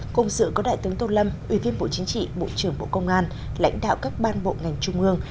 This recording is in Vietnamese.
cùng sự có đại tướng tô lâm ủy viên bộ chính trị bộ trưởng bộ công an lãnh đạo các ban bộ ngành trung ương